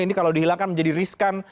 ini kalau dihilangkan menjadi riskan